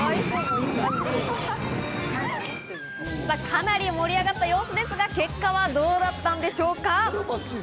かなり盛り上がった様子ですが、結果はどうだったんでしょうか？